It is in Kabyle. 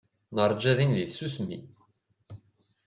Neṛja din deg tsusmi.